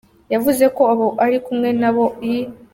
Yavuze ko abo ari kumwe na bo i